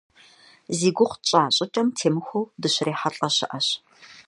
Зи гугъу тщӏа щӏыкӏэм темыхуэу дыщрихьэлӏэ щыӏэщ.